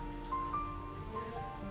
tidak bisa diketahui